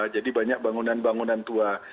jadi banyak bangunan bangunan tua